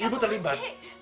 iya ibu terlibat